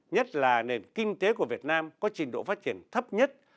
nhất là nền kinh tế của việt nam có trình độ phát triển thấp nhất